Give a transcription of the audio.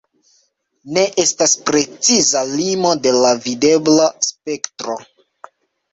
Ne estas preciza limo de la videbla spektro.